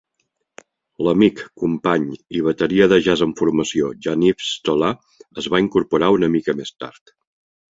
L"amic, company y bateria de jazz amb formació Jean-Yves Tola es va incorporar una mica més tard.